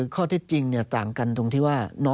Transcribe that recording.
ข้อที่จริงต่างกันทุ่มที่ว่า